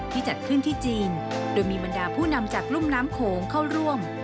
จัดขึ้นที่จีนโดยมีบรรดาผู้นำจากรุ่มน้ำโขงเข้าร่วม